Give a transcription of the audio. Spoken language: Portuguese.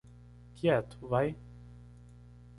Quieto, vai?